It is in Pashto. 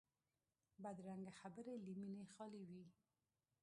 بدرنګه خبرې له مینې خالي وي